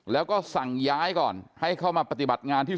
แล้วก็สั่งย้ายก่อนให้เข้ามาปฏิบัติงานที่